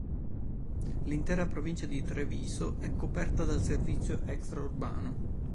L'intera provincia di Treviso è coperta dal servizio extraurbano.